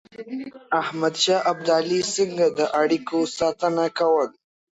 احمد شاه ابدالي څنګه د اړیکو ساتنه کوله؟